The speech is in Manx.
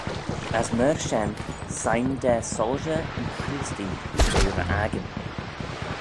As myr shen shegin da soilshey yn Chreestee ve ry akin.